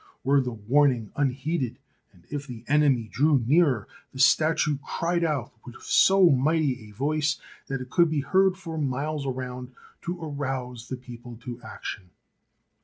Were the warn ing unheeded, and if the enemy drew nearer, the statue cried out with so mighty a voice that it could be heard for miles around to arouse the people to action.